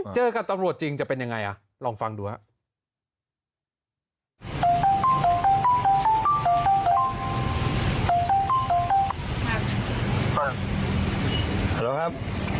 เจอกับตำรวจจริงจะเป็นยังไงลองฟังดูครับ